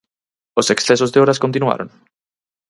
Os excesos de horas continuaron?